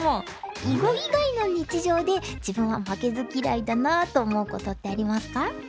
囲碁以外の日常で自分は負けず嫌いだなって思うことってありますか？